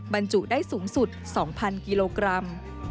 บรรจุได้สูงสุด๒๐๐กิโลกรัม